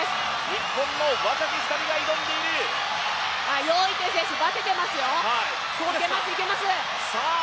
日本の若き２人が挑んでいる余依テイ選手、バテてますよ、いけます。